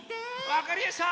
わかりやした！